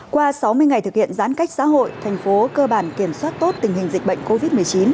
qua sáu mươi ngày thực hiện giãn cách xã hội thành phố cơ bản kiểm soát tốt tình hình dịch bệnh covid một mươi chín